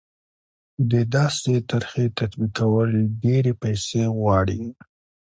د داسې طرحې تطبیقول ډېرې پیسې غواړي.